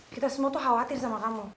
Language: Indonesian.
kita semua tuh khawatir sama kamu